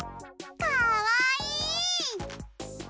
かわいい！